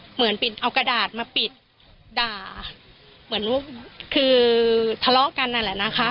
เหมือนปิดเอากระดาษมาปิดด่าเหมือนว่าคือทะเลาะกันนั่นแหละนะคะ